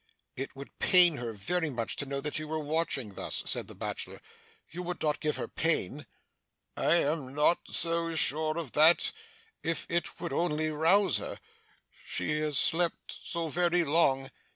'It would pain her very much to know that you were watching thus,' said the bachelor. 'You would not give her pain?' 'I am not so sure of that, if it would only rouse her. She has slept so very long.